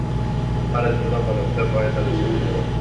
هره جمله په نقطه پای ته رسیدلې ده.